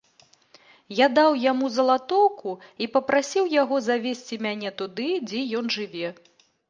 Я даў яму залатоўку і папрасіў яго завесці мяне туды, дзе ён жыве.